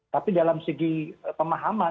tapi dalam segi pemahaman